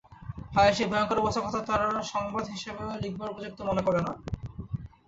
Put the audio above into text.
হায়, সেই ভয়ঙ্কর অবস্থার কথা তারা সংবাদ হিসাবেও লিখবার উপযুক্ত মনে করে না।